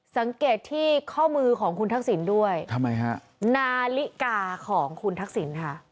สังเกตที่ข้อมือของคุณทักษิณด้วยทำไมฮะนาฬิกาของคุณทักษิณค่ะ